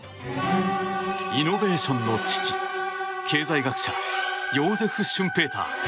イノベーションの父、経済学者ヨーゼフ・シュンペーター。